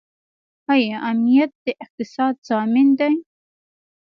آیا امنیت د اقتصاد ضامن دی؟